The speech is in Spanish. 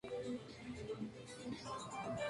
Vestíbulo Pinar del Rey